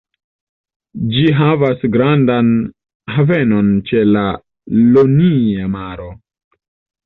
Ĝi havas gravan havenon ĉe la Ionia Maro.